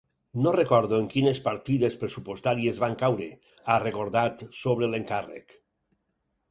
No recordo en quines partides pressupostàries van caure, ha recordat sobre l’encàrrec.